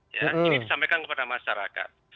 ini disampaikan kepada masyarakat